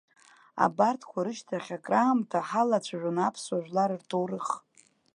Абарҭқәа рышьҭахь акраамҭа ҳалацәажәон аԥсуа жәлар рҭоурых.